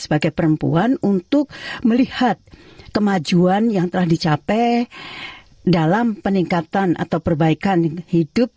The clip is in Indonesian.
sebagai perempuan untuk melihat kemajuan yang telah dicapai dalam peningkatan atau perbaikan hidup